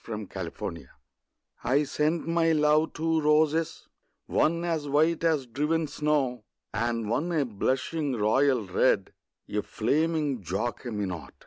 The White Flag I sent my love two roses, one As white as driven snow, And one a blushing royal red, A flaming Jacqueminot.